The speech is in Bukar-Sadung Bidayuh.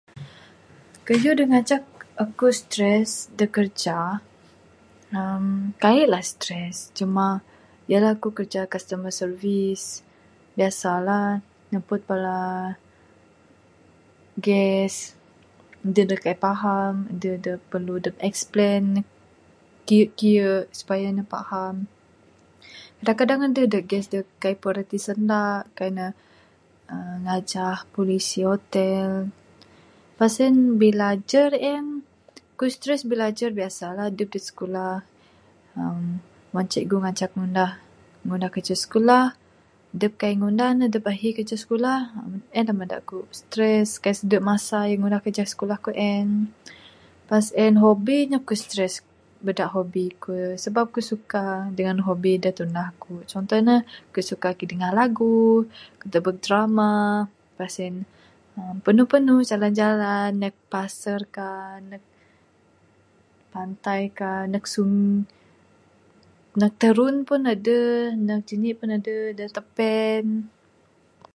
Kayuh da ngancak aku stress da kerja eee kaik lah stress, cuma yalah ku kerja customer service biasa lah napud bala guest, adeh da kaik paham, adeh da perlu dep explain kiye kiye supaya ne paham. Kadang kadang adeh da guest da kaik puan rati sanda, kaik ne aaa ngajah policy hotel, pas en bilajer en ku stress bilajer biasa lah adep ti skulah [hurm] wang cikgu ngancak ngundah ... ngundah kerja sikulah, dep kaik ngundah ne dep ahi kerja skulah en da bada ku stress kaik sade masa ra ngunah kerja skulah ku en. Pas en hobi ne ku stress bada hobi ku, sebab ne ku suka dengan hobi da tunah ku, contoh ne ku suka kidingah lagu, tebek drama, pas en eee panu panu, jalan jalan neg paser kah neg pantai kah neg sung, neg tarun pun adeh neg janik pun adeh da tepen.